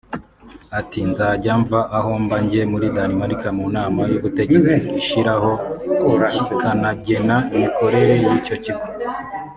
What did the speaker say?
Ati «Nzajya mva aho mba njye muri Danemark mu nama y’ubutegetsi ishyiraho ikanagena imikorere y’icyo kigo